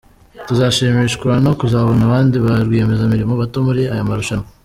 Tuzashimishwa no kuzabona abandi ba rwiyemezamirimo bato muri aya marushanwa.